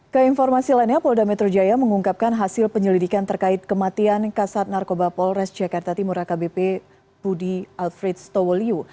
keinformasi lainnya polda metro jaya mengungkapkan hasil penyelidikan terkait kematian kasat narkoba polres jakarta timur akbp budi alfred stowoliu